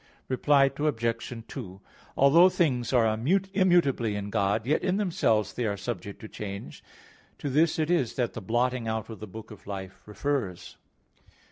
Reply Obj. 2: Although things are immutably in God, yet in themselves they are subject to change. To this it is that the blotting out of the book of life refers.